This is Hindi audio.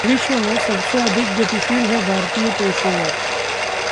विश्व में सबसे अधिक गतिशील हैं भारतीय पेशेवर